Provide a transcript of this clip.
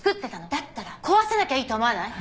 だったら壊さなきゃいいと思わない！？